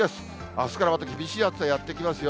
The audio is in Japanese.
あすからまた厳しい暑さ、やって来ますよ。